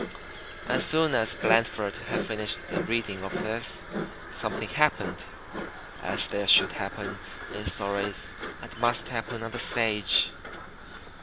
'" As soon as Blandford had finished the reading of this, something happened (as there should happen in stories and must happen on the stage).